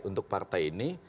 untuk partai ini